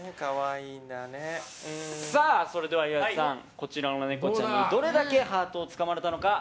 さあ、それでは岩井さんこちらのネコちゃんにどれだけハートをつかまれたのか